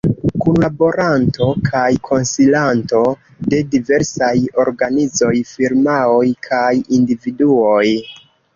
Kunlaboranto kaj konsilanto de diversaj organizoj, firmaoj kaj individuoj.